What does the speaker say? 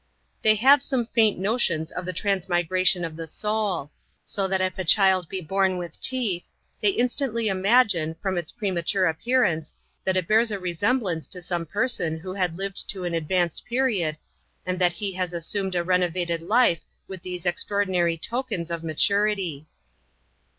They have some faint notions of the transmigration of the soul; so that if a child be born with teeth, they instantly imagine, from its premature appearance, that it bears a re semblance to some person who had lived to an advanced pe riod, and that he has assumed a renovated^ life, with these extraordinary tokens of maturity.